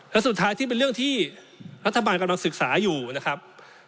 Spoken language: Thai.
และสุดท้ายที่เป็นเรื่องที่รัฐบาลกำลังศึกษาอยู่นะครับ